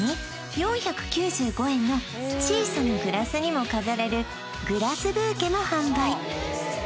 ４９５円の小さなグラスにも飾れるグラスブーケも販売